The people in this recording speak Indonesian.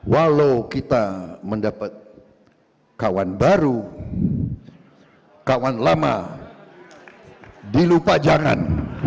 walau kita mendapat kawan baru kawan lama dilupa jangan